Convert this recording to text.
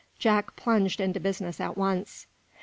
Jack plunged into business at once.